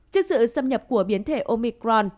trước sự xâm nhập của biến thể omicron